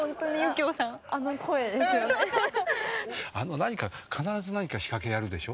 何か必ず何か仕掛けをやるでしょ。